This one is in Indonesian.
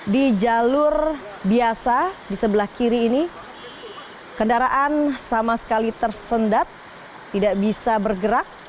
di jalur biasa di sebelah kiri ini kendaraan sama sekali tersendat tidak bisa bergerak